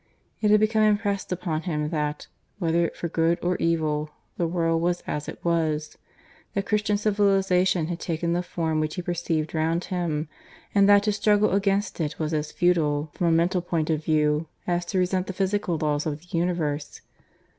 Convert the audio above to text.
It had become impressed upon him that, whether for good or evil, the world was as it was; that Christian civilization had taken the form which he perceived round him, and that to struggle against it was as futile, from a mental point of view, as to resent the physical laws of the universe.